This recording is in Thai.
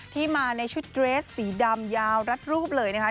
ที่มาในชุดเดรสสีดำยาวรัดรูปเลยนะคะ